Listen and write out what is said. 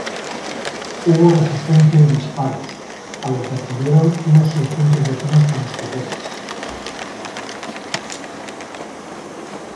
Hubo resistencia y disparos, a lo que acudieron unos seiscientos vecinos con escopetas.